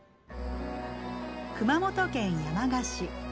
熊本県山鹿市。